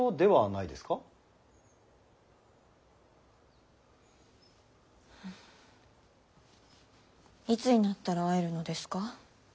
いつになったら会えるのですか。